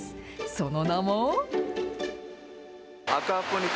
その名も。